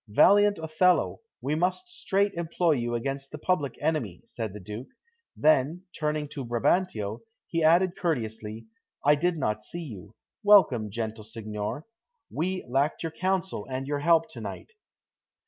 "Valiant Othello, we must straight employ you against the public enemy," said the Duke. Then, turning to Brabantio, he added courteously: "I did not see you; welcome, gentle signor; we lacked your counsel and your help to night."